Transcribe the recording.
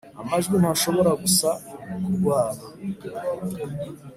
amajwi ntashobora gusa kurwara.